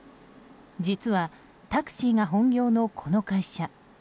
実は、タクシーが本業のこの会社。